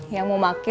yang mau pake